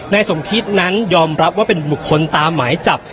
นายสมคิดนั้นยอมรับว่าเป็นบุคคลตามหมายจับ